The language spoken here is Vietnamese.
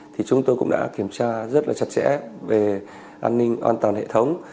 thì chúng tôi cũng đã kiểm tra rất là chặt chẽ về an ninh an toàn hệ thống